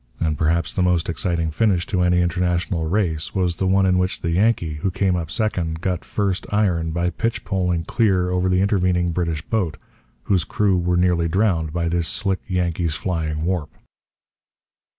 And perhaps the most exciting finish to any international race was the one in which the Yankee, who came up second, got 'first iron' by 'pitchpoling' clear over the intervening British boat, whose crew were nearly drowned by this 'slick' Yankee's flying warp.